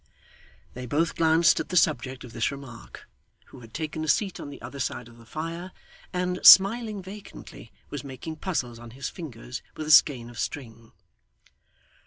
They both glanced at the subject of this remark, who had taken a seat on the other side of the fire, and, smiling vacantly, was making puzzles on his fingers with a skein of string.